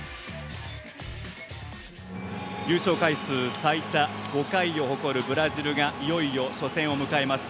優勝回数最多５回を誇るブラジルがいよいよ初戦を迎えます。